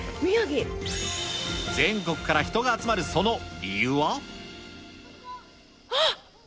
全国から人が集まるその理由あっ！